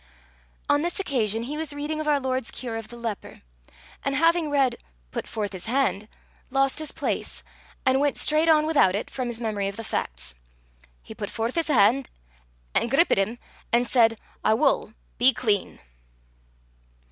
On this occasion he was reading of our Lord's cure of the leper; and having read, "put forth his hand," lost his place, and went straight on without it, from his memory of the facts. "He put forth his han' an' grippit him, and said, Aw wull be clean."